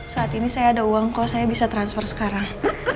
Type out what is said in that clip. saat ini saya ada uang kok saya bisa transfer sekarang